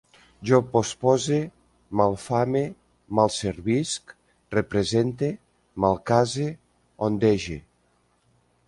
Jo pospose, malfame, malservisc, represente, malcase, ondege